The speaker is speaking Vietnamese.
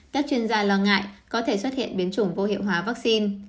các chuyên gia lo ngại có thể xuất hiện biến chủng vô hiệu hóa vaccine